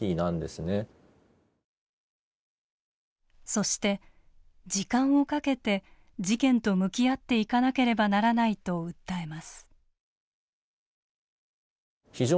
そして、時間をかけて事件と向き合っていかなければならないと訴えます。